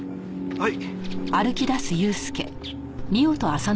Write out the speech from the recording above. はい。